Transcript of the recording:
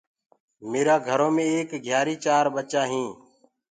ميرآ گهرو مي ايڪ گهيآري چآر ٻچا هينٚ۔